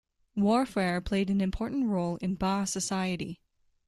Warfare played an important role in Ba society.